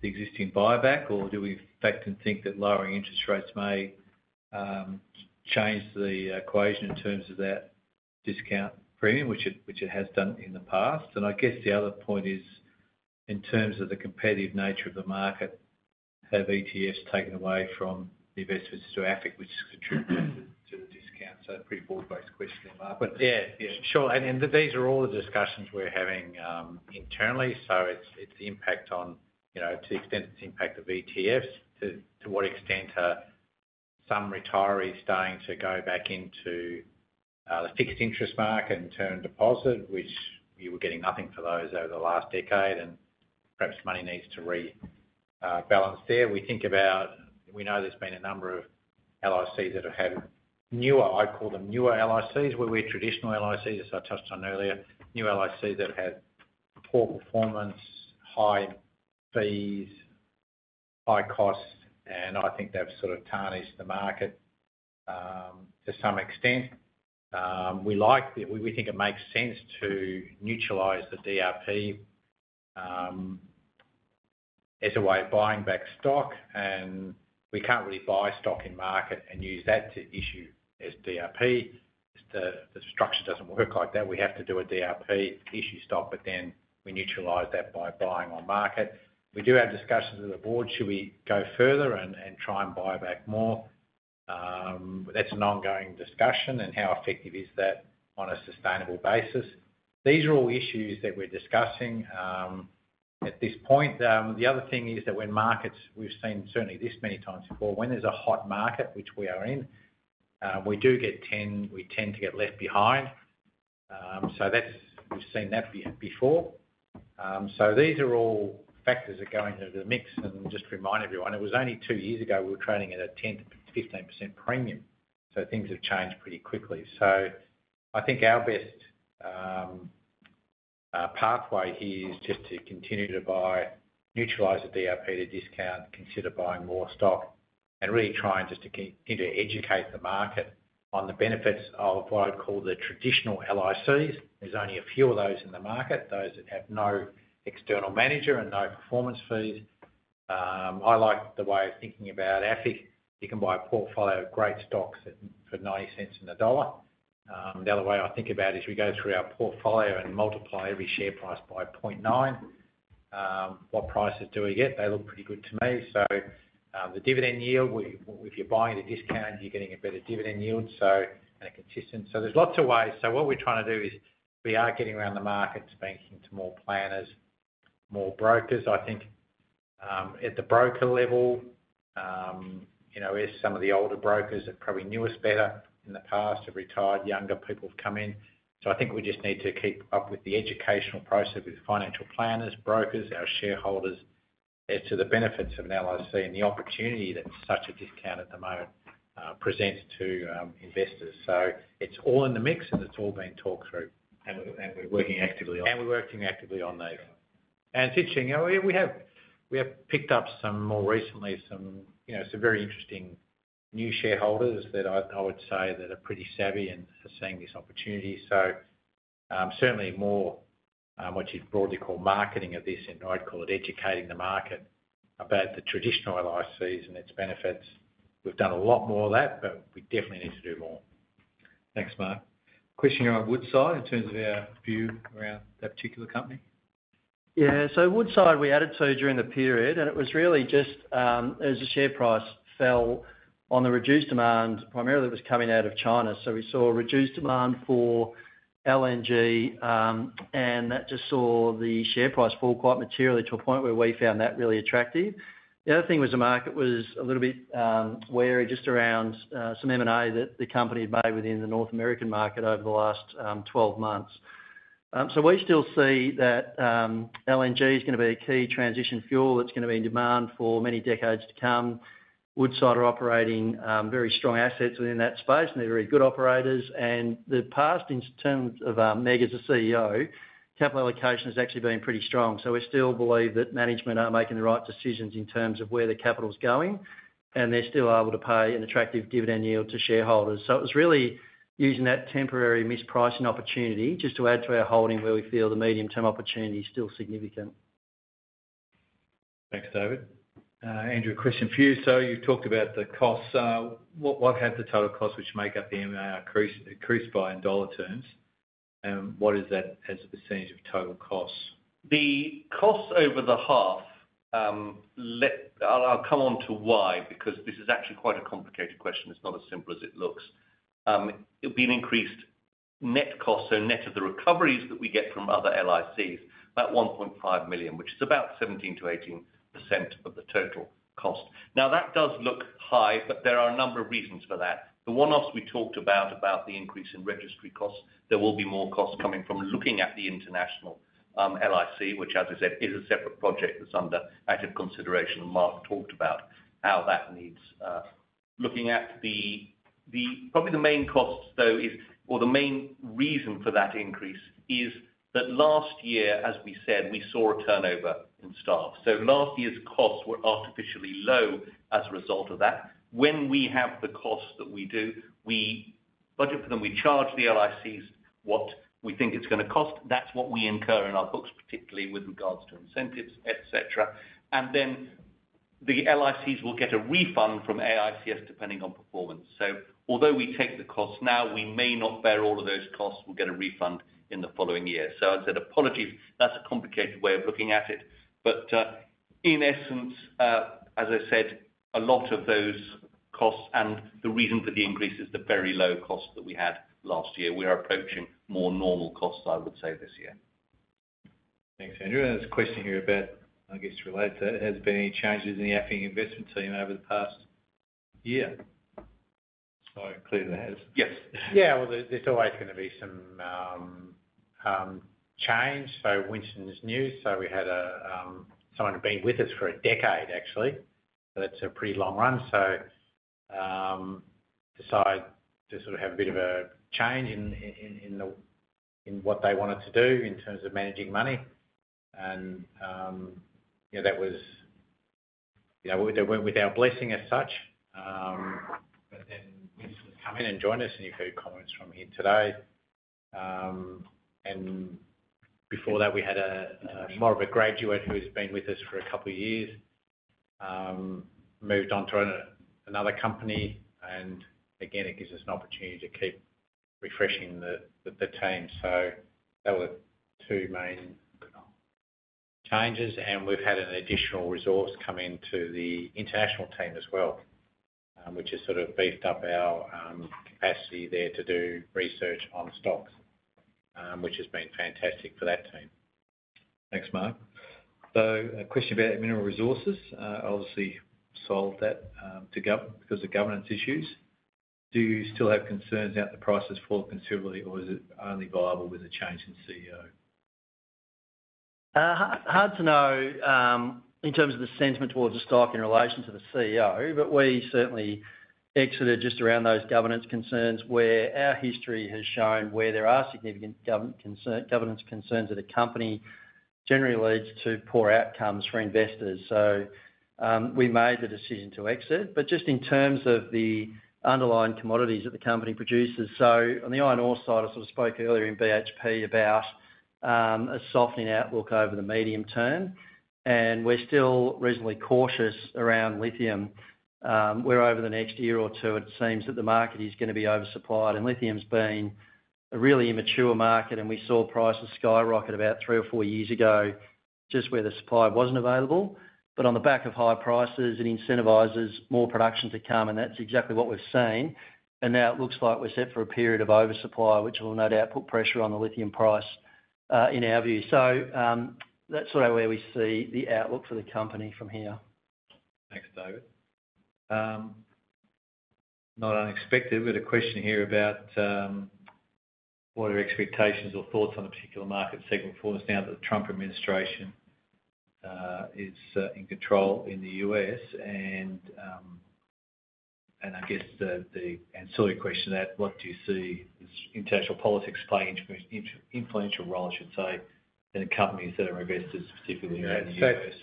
the existing buyback, or do we in fact think that lowering interest rates may change the equation in terms of that discount or premium, which it has done in the past? And I guess the other point is, in terms of the competitive nature of the market, have ETFs taken away from investments through AFIC, which contributes to the discount? So a pretty broad-based question there, Mark. Yeah, yeah. Sure. And these are all the discussions we're having internally. So it's the impact on to the extent it's the impact of ETFs, to what extent are some retirees starting to go back into the fixed interest market and term deposit, which you were getting nothing for those over the last decade, and perhaps money needs to rebalance there. We think about we know there's been a number of LICs that have had newer I'd call them newer LICs where we're traditional LICs, as I touched on earlier, new LICs that have had poor performance, high fees, high costs, and I think they've sort of tarnished the market to some extent. We think it makes sense to neutralize the DRP as a way of buying back stock. We can't really buy stock in market and use that to issue as DRP if the structure doesn't work like that. We have to do a DRP issue stock, but then we neutralize that by buying on market. We do have discussions with the board. Should we go further and try and buy back more? That's an ongoing discussion. And how effective is that on a sustainable basis? These are all issues that we're discussing at this point. The other thing is that when markets we've seen certainly this many times before, when there's a hot market, which we are in, we do get 10%, we tend to get left behind. So we've seen that before. So these are all factors that go into the mix. And just to remind everyone, it was only two years ago we were trading at a 10%-15% premium. So things have changed pretty quickly. So I think our best pathway here is just to continue to buy, neutralize the DRP, the discount, consider buying more stock, and really trying just to continue to educate the market on the benefits of what I'd call the traditional LICs. There's only a few of those in the market, those that have no external manager and no performance fees. I like the way of thinking about AFIC. You can buy a portfolio of great stocks for 90 cents and a dollar. The other way I think about it is we go through our portfolio and multiply every share price by 0.9. What prices do we get? They look pretty good to me. So the dividend yield, if you're buying at a discount, you're getting a better dividend yield and a consistent, so there's lots of ways. What we're trying to do is we are getting around the markets, talking to more planners, more brokers. I think at the broker level, as some of the older brokers that probably knew us better in the past have retired, younger people have come in. So I think we just need to keep up with the educational process with financial planners, brokers, our shareholders as to the benefits of an LIC and the opportunity that such a discount at the moment presents to investors. So it's all in the mix, and it's all being talked through. And we're working actively on those. And it's interesting. We have picked up some more recently, some very interesting new shareholders that I would say that are pretty savvy and are seeing this opportunity. So certainly more what you'd broadly call marketing of this, and I'd call it educating the market about the traditional LICs and its benefits. We've done a lot more of that, but we definitely need to do more. Thanks, Mark. Question here on Woodside in terms of our view around that particular company. Yeah. So Woodside we added to during the period, and it was really just as the share price fell on the reduced demand, primarily it was coming out of China. So we saw reduced demand for LNG, and that just saw the share price fall quite materially to a point where we found that really attractive. The other thing was the market was a little bit wary just around some M&A that the company had made within the North American market over the last 12 months. So we still see that LNG is going to be a key transition fuel that's going to be in demand for many decades to come. Woodside are operating very strong assets within that space, and they're very good operators. And in the past, in terms of Meg as the CEO, capital allocation has actually been pretty strong. So we still believe that management are making the right decisions in terms of where the capital's going, and they're still able to pay an attractive dividend yield to shareholders. So it was really using that temporary mispricing opportunity just to add to our holding where we feel the medium-term opportunity is still significant. Thanks, David. Andrew, a question for you. So you've talked about the costs. What have the total costs which make up the M&A increased by in dollar terms? And what is that as a percentage of total costs? The costs over the half. I'll come on to why because this is actually quite a complicated question. It's not as simple as it looks. It'll be an increased net cost, so net of the recoveries that we get from other LICs, about 1.5 million, which is about 17%-18% of the total cost. Now, that does look high, but there are a number of reasons for that. The one-offs we talked about, about the increase in registry costs, there will be more costs coming from looking at the international LIC, which, as I said, is a separate project that's under active consideration, and Mark talked about how that needs looking at the probably the main costs, though, or the main reason for that increase is that last year, as we said, we saw a turnover in staff. So last year's costs were artificially low as a result of that. When we have the costs that we do, we budget for them. We charge the LICs what we think it's going to cost. That's what we incur in our books, particularly with regards to incentives, etc. And then the LICs will get a refund from AFIC depending on performance. So although we take the costs now, we may not bear all of those costs. We'll get a refund in the following year. So, I'd say, apologies. That's a complicated way of looking at it. But in essence, as I said, a lot of those costs and the reason for the increase is the very low costs that we had last year. We are approaching more normal costs, I would say, this year. Thanks, Andrew. There's a question here about, I guess, related to that. Has there been any changes in the AFIC investment team over the past year? Sorry, clearly there has. Yes. Yeah. Well, there's always going to be some change. So, Winston's news. So, we had someone who had been with us for a decade, actually. So, that's a pretty long run. So, they decided to sort of have a bit of a change in what they wanted to do in terms of managing money. And that was with our blessing as such. But then, Winston's come in and joined us, and you've heard comments from him today. And before that, we had more of a graduate who has been with us for a couple of years, moved on to another company. And again, it gives us an opportunity to keep refreshing the team. So, that was two main changes. We've had an additional resource come into the international team as well, which has sort of beefed up our capacity there to do research on stocks, which has been fantastic for that team. Thanks, Mark. A question about Mineral Resources. Obviously, sold that because of governance issues. Do you still have concerns about the prices falling considerably, or is it only viable with a change in CEO? Hard to know in terms of the sentiment towards the stock in relation to the CEO, but we certainly exited just around those governance concerns where our history has shown where there are significant governance concerns that a company generally leads to poor outcomes for investors. So we made the decision to exit. But just in terms of the underlying commodities that the company produces, so on the iron ore side, I sort of spoke earlier in BHP about a softening outlook over the medium term. And we're still reasonably cautious around lithium. Where over the next year or two, it seems that the market is going to be oversupplied. And lithium's been a really immature market. And we saw prices skyrocket about three or four years ago just where the supply wasn't available. But on the back of high prices, it incentivizes more production to come. That's exactly what we've seen. Now it looks like we're set for a period of oversupply, which will no doubt put pressure on the lithium price in our view. That's sort of where we see the outlook for the company from here. Thanks, David. Not unexpected, but a question here about what are expectations or thoughts on the particular market segment for us now that the Trump administration is in control in the U.S., and I guess the answer to your question to that, what do you see as international politics playing an influential role, I should say, in the companies that are invested specifically around the U.S.?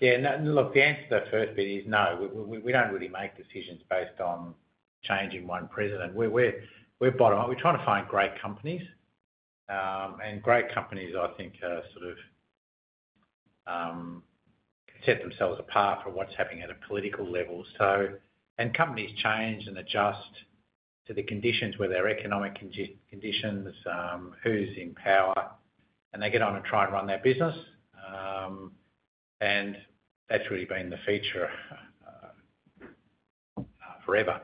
Yeah. Look, the answer to that first bit is no. We don't really make decisions based on changing one president. We're bottom up. We're trying to find great companies, and great companies, I think, sort of set themselves apart from what's happening at a political level. Companies change and adjust to the conditions where their economic conditions, who's in power, and they get on and try and run their business, and that's really been the feature forever.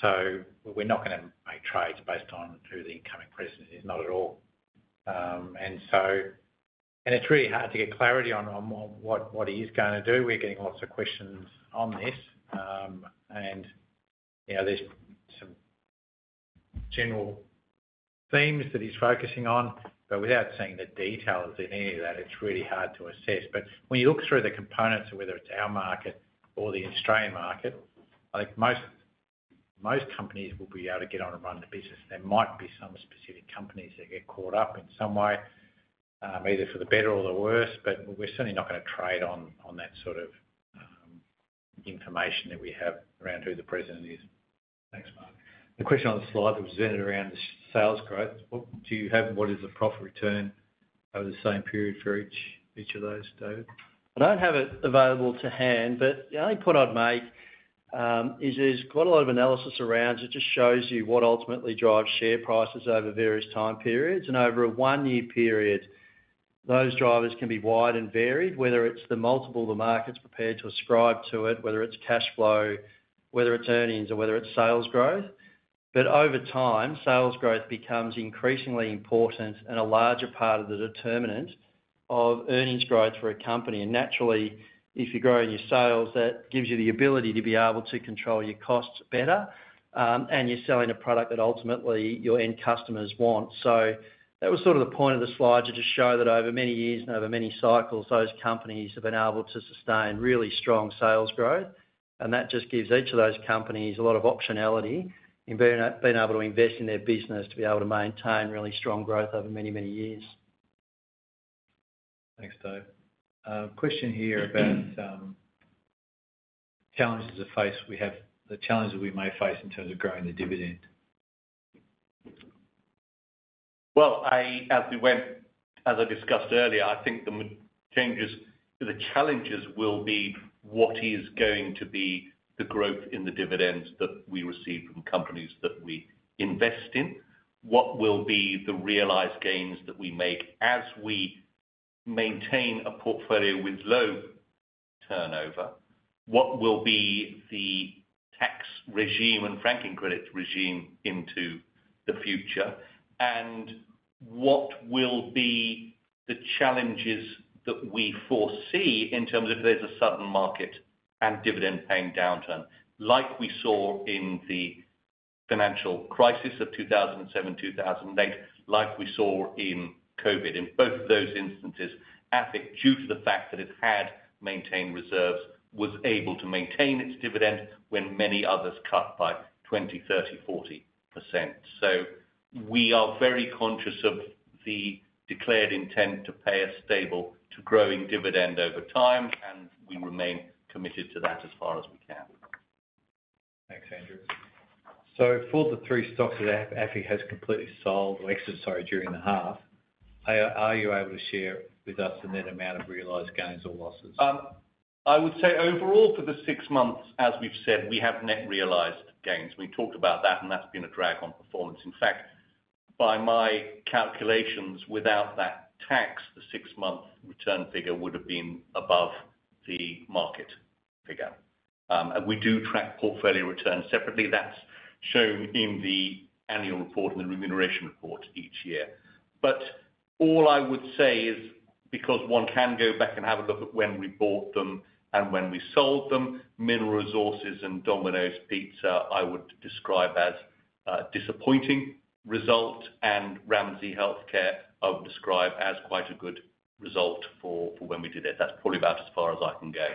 So we're not going to make trades based on who the incoming president is, not at all. And it's really hard to get clarity on what he is going to do. We're getting lots of questions on this, and there's some general themes that he's focusing on. But without seeing the details in any of that, it's really hard to assess. But when you look through the components of whether it's our market or the Australian market, I think most companies will be able to get on and run the business. There might be some specific companies that get caught up in some way, either for the better or the worse. But we're certainly not going to trade on that sort of information that we have around who the president is. Thanks, Mark. The question on the slide that was centered around the sales growth, what do you have? What is the profit return over the same period for each of those, David? I don't have it available to hand. But the only point I'd make is there's quite a lot of analysis around it. It just shows you what ultimately drives share prices over various time periods. And over a one-year period, those drivers can be wide and varied, whether it's the multiple the market's prepared to ascribe to it, whether it's cash flow, whether it's earnings, or whether it's sales growth. But over time, sales growth becomes increasingly important and a larger part of the determinant of earnings growth for a company. And naturally, if you're growing your sales, that gives you the ability to be able to control your costs better. And you're selling a product that ultimately your end customers want. So that was sort of the point of the slide, to just show that over many years and over many cycles, those companies have been able to sustain really strong sales growth. And that just gives each of those companies a lot of optionality in being able to invest in their business to be able to maintain really strong growth over many, many years. Thanks, Dave. Question here about challenges we may face in terms of growing the dividend. As I discussed earlier, I think the challenges will be what is going to be the growth in the dividends that we receive from companies that we invest in. What will be the realized gains that we make as we maintain a portfolio with low turnover? What will be the tax regime and franking credit regime into the future? And what will be the challenges that we foresee in terms of if there's a sudden market and dividend paying downturn, like we saw in the financial crisis of 2007, 2008, like we saw in COVID? In both of those instances, AFIC, due to the fact that it had maintained reserves, was able to maintain its dividend when many others cut by 20%, 30%, 40%. We are very conscious of the declared intent to pay a stable to growing dividend over time. We remain committed to that as far as we can. Thanks, Andrew. So for the three stocks that AFIC has completely sold or exited, sorry, during the half, are you able to share with us the net amount of realized gains or losses? I would say overall, for the six months, as we've said, we have net realized gains. We talked about that, and that's been a drag on performance. In fact, by my calculations, without that tax, the six-month return figure would have been above the market figure. And we do track portfolio returns separately. That's shown in the annual report and the remuneration report each year. But all I would say is, because one can go back and have a look at when we bought them and when we sold them, Mineral Resources and Domino's Pizza I would describe as a disappointing result. And Ramsay Health Care I would describe as quite a good result for when we did it. That's probably about as far as I can go.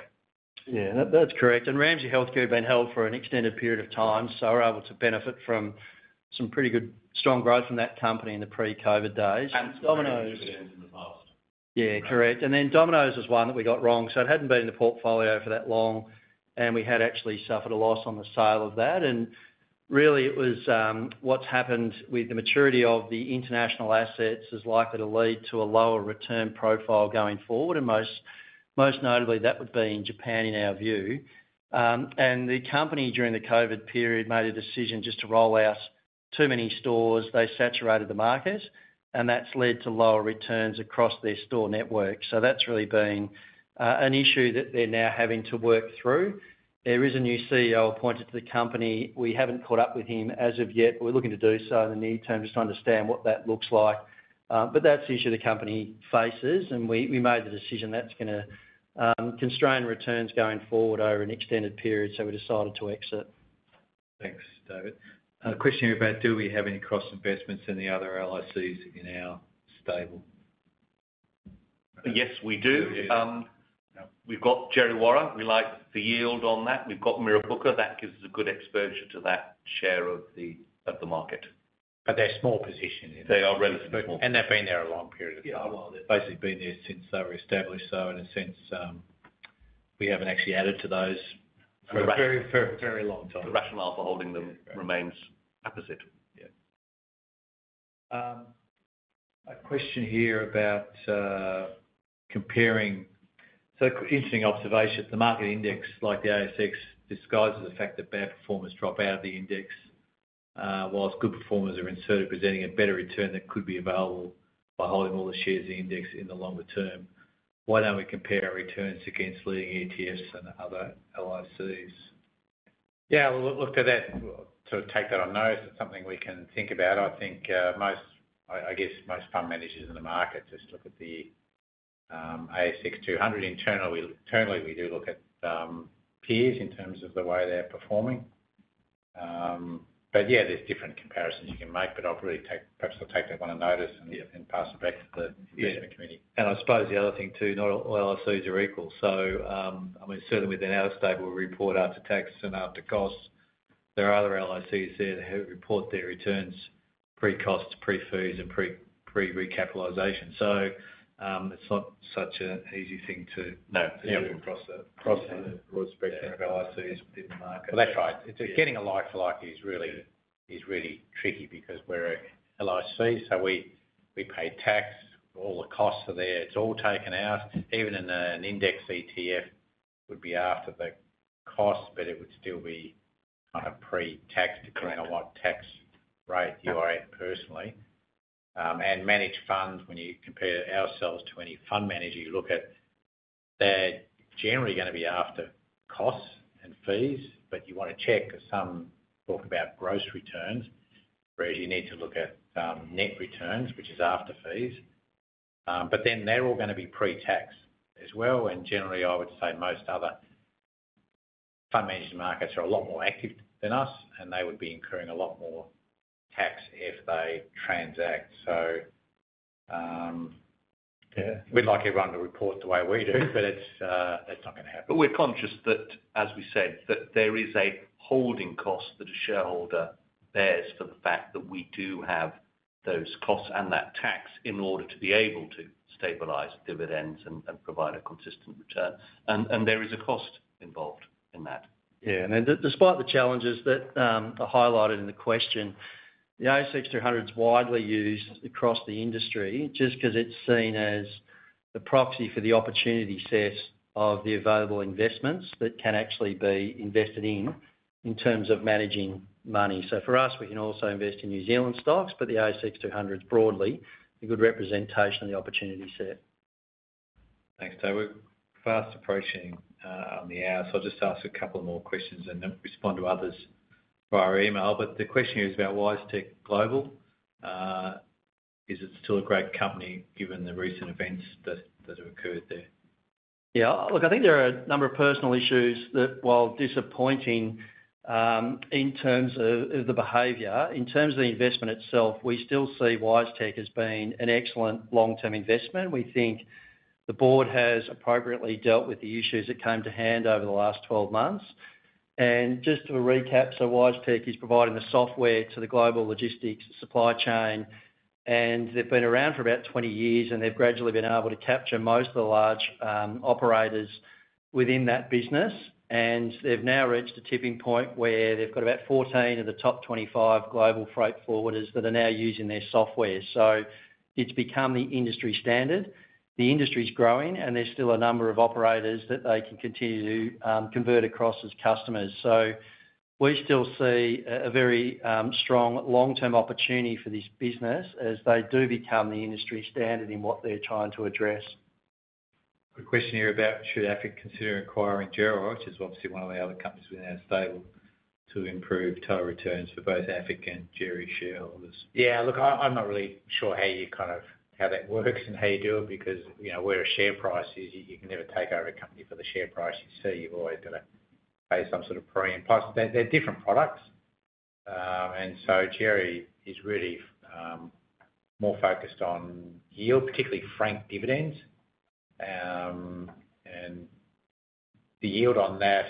Yeah. That's correct. And Ramsay Health Care had been held for an extended period of time, so we're able to benefit from some pretty good strong growth from that company in the pre-COVID days. And Domino's. Its dividends in the past. Yeah. Correct. And then Domino's was one that we got wrong. So it hadn't been in the portfolio for that long. And we had actually suffered a loss on the sale of that. And really, what's happened with the maturity of the international assets is likely to lead to a lower return profile going forward. And most notably, that would be in Japan, in our view. And the company, during the COVID period, made a decision just to roll out too many stores. They saturated the market. And that's led to lower returns across their store network. So that's really been an issue that they're now having to work through. There is a new CEO appointed to the company. We haven't caught up with him as of yet. We're looking to do so in the near term just to understand what that looks like. But that's the issue the company faces. And we made the decision that's going to constrain returns going forward over an extended period. So we decided to exit. Thanks, David. Question here about, do we have any cross-investments in the other LICs in our stable? Yes, we do. We've got Djerriwarrh. We like the yield on that. We've got Mirrabooka. That gives us a good exposure to that share of the market. But they're small positions. They are relatively small. They've been there a long period of time. Yeah. Well, they've basically been there since they were established. So in a sense, we haven't actually added to those for a very, very long time. The rationale for holding them remains opposite. Yeah. A question here about comparing. So interesting observation. The market index, like the ASX, disguises the fact that bad performers drop out of the index, whilst good performers are instead of presenting a better return that could be available by holding all the shares of the index in the longer term. Why don't we compare our returns against leading ETFs and other LICs? Yeah. We'll look to that. So take that on notice. It's something we can think about. I think, I guess, most fund managers in the market just look at the ASX 200. Internally, we do look at peers in terms of the way they're performing. But yeah, there's different comparisons you can make. But I'll really take that one on notice and pass it back to the investment committee. I suppose the other thing too, not all LICs are equal. So I mean, certainly, within our stable, we report after tax and after cost. There are other LICs there that report their returns pre-cost, pre-fees, and pre-realization. So it's not such an easy thing to. No. It's a bit of a crossover. Crossover. Broad spectrum of LICs within the market. Well, that's right. Getting a like-for-like is really tricky because we're an LIC. So we pay tax. All the costs are there. It's all taken out. Even in an index ETF, it would be after the cost, but it would still be kind of pre-tax depending on what tax rate you are at personally. And managed funds, when you compare ourselves to any fund manager you look at, they're generally going to be after costs and fees. But you want to check if some talk about gross returns, whereas you need to look at net returns, which is after fees. But then they're all going to be pre-tax as well. And generally, I would say most other fund managers are a lot more active than us. And they would be incurring a lot more tax if they transact. So we'd like everyone to report the way we do, but that's not going to happen. But we're conscious that, as we said, that there is a holding cost that a shareholder bears for the fact that we do have those costs and that tax in order to be able to stabilize dividends and provide a consistent return. And there is a cost involved in that. Yeah. And despite the challenges that are highlighted in the question, the ASX 200 is widely used across the industry just because it's seen as the proxy for the opportunity set of the available investments that can actually be invested in in terms of managing money. So for us, we can also invest in New Zealand stocks. But the ASX 200 is broadly a good representation of the opportunity set. Thanks, David. Fast approaching on the hour. So I'll just ask a couple more questions and then respond to others via email. But the question here is about WiseTech Global. Is it still a great company given the recent events that have occurred there? Yeah. Look, I think there are a number of personal issues that, while disappointing in terms of the behavior, in terms of the investment itself, we still see WiseTech as being an excellent long-term investment. We think the board has appropriately dealt with the issues that came to hand over the last 12 months. And just to recap, so WiseTech is providing the software to the global logistics supply chain. And they've been around for about 20 years. And they've gradually been able to capture most of the large operators within that business. And they've now reached a tipping point where they've got about 14 of the top 25 global freight forwarders that are now using their software. So it's become the industry standard. The industry's growing. And there's still a number of operators that they can continue to convert across as customers. So we still see a very strong long-term opportunity for this business as they do become the industry standard in what they're trying to address. Question here about, should AFIC consider acquiring Djerriwarrh, which is obviously one of the other companies within our stable to improve total returns for both AFIC and Djerriwarrh's shareholders? Yeah. Look, I'm not really sure how you kind of how that works and how you do it because where a share price is, you can never take over a company for the share price you see. You've always got to pay some sort of premium. Plus, they're different products. And so Djerriwarrh is really more focused on yield, particularly franked dividends. And the yield on that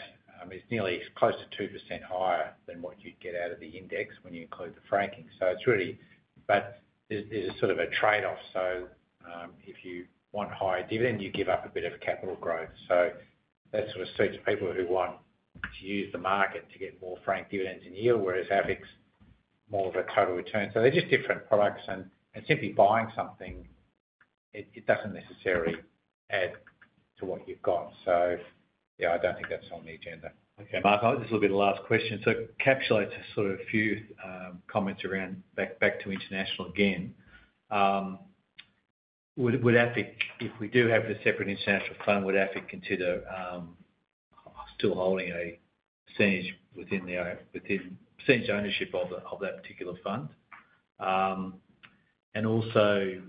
is nearly close to 2% higher than what you'd get out of the index when you include the franking. So it's really but there's a sort of a trade-off. So if you want higher dividend, you give up a bit of capital growth. So that sort of suits people who want to use the market to get more franked dividends in yield, whereas AFIC's more of a total return. So they're just different products. Simply buying something, it doesn't necessarily add to what you've got. So yeah, I don't think that's on the agenda. Okay, Mark. This will be the last question, so encapsulate to sort of a few comments around back to international again. If we do have the separate international fund, would AFIC consider still holding a percentage within percentage ownership of that particular fund? And also,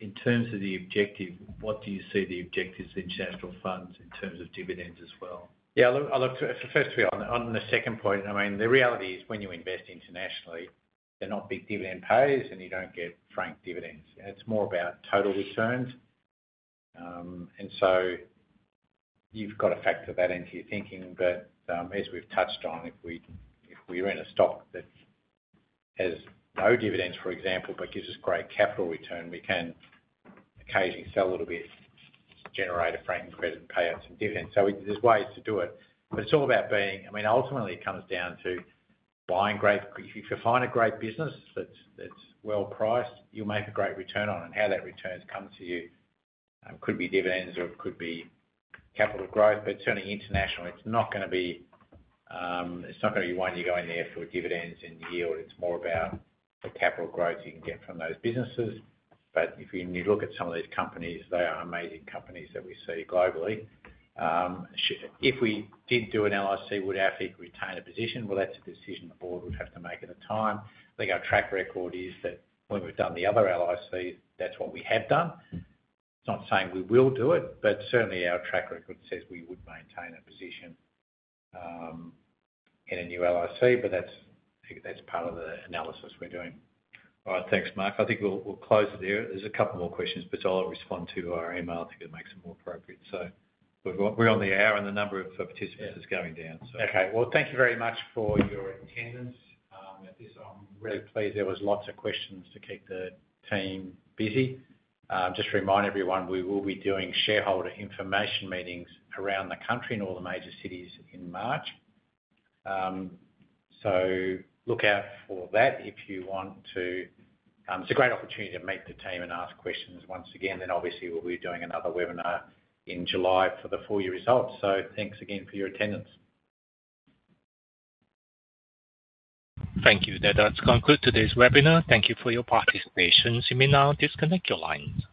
in terms of the objective, what do you see the objectives of the international fund in terms of dividends as well? Yeah. Look, firstly, on the second point, I mean, the reality is when you invest internationally, they're not big dividend pays, and you don't get franked dividends. It's more about total returns. And so you've got to factor that into your thinking. But as we've touched on, if we're in a stock that has no dividends, for example, but gives us great capital return, we can occasionally sell a little bit, generate a franking credit, and pay out some dividends. So there's ways to do it. But it's all about being, I mean, ultimately, it comes down to buying great if you find a great business that's well priced, you'll make a great return on it. And how that returns comes to you could be dividends, or it could be capital growth. But certainly, internationally, it's not going to be one you're going there for dividends and yield. It's more about the capital growth you can get from those businesses. But if you look at some of these companies, they are amazing companies that we see globally. If we did do an LIC, would AFIC retain a position? Well, that's a decision the board would have to make at the time. I think our track record is that when we've done the other LICs, that's what we have done. It's not saying we will do it. But certainly, our track record says we would maintain a position in a new LIC. But that's part of the analysis we're doing. All right. Thanks, Mark. I think we'll close it here. There's a couple more questions, but I'll respond to our email. I think it makes it more appropriate. So we're on the hour, and the number of participants is going down, so. Okay. Well, thank you very much for your attendance. I'm really pleased. There were lots of questions to keep the team busy. Just to remind everyone, we will be doing shareholder information meetings around the country in all the major cities in March. So look out for that if you want to. It's a great opportunity to meet the team and ask questions once again. Then, obviously, we'll be doing another webinar in July for the full year results. So thanks again for your attendance. Thank you. That does conclude today's webinar. Thank you for your participation. You may now disconnect your lines.